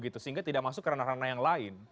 sehingga tidak masuk ke ranah ranah yang lain